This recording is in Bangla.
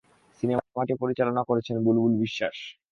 সিনেমাটি পরিচালনা করেছেন বুলবুল বিশ্বাস।